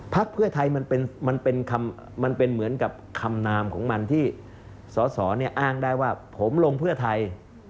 เพื่อไทยมันเป็นเหมือนกับคำนามของมันที่สอสออ้างได้ว่าผมลงเพื่อไทย